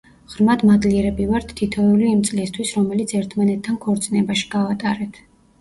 ღრმად მადლიერები ვართ თითოეული იმ წლისთვის, რომელიც ერთმანეთთან ქორწინებაში გავატარეთ.